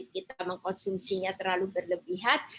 kita mengkonsumsinya terlalu berlebihan